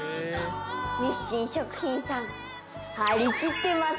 日清食品さん。